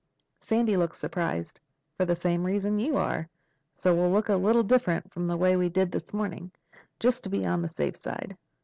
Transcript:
Sandy looked surprised. "For the same reason you are. So we'll look a little different from the way we did this morning—just to be on the safe side."